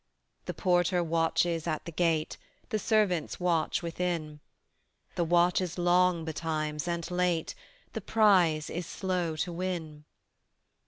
The Porter watches at the gate, The servants watch within; The watch is long betimes and late, The prize is slow to win.